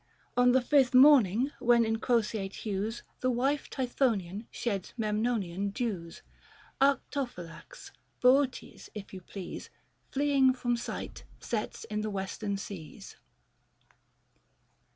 On the fifth morning, when in croceate hues The wife Tithonian sheds Memnonian dews, Arctophylax, — Bootes, if you please, — Fleeing from sight, sets in the Western seas.